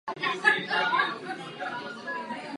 Chemie se tradičně dělí do několika oborů.